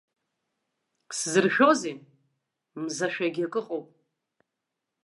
Сзыршәозеи, мзашәагьы акы ыҟоуп.